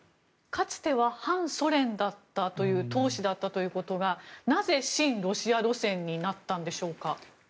かつては反ソ連の闘士だったということがなぜ、親ロシア路線になったんでしょうか？